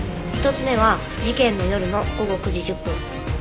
１つ目は事件の夜の午後９時１０分。